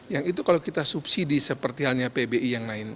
yang itu kalau kita subsidi seperti halnya pbi yang lain